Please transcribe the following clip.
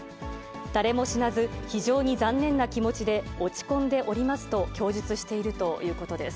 誰も死なず、非常に残念な気持ちで、落ち込んでおりますと供述しているということです。